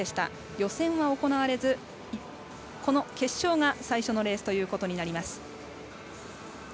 予選は行われず、この決勝が最初のレースとなります。